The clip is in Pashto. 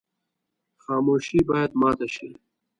خاموشي باید ماته شي.